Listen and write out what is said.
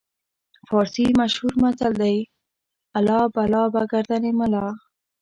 فارسي مشهور متل دی: الله بلا به ګردن ملا.